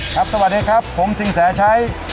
ครับสวัสดีครับผมสิงห์แสชัย